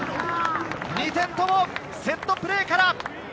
２点ともセットプレーから。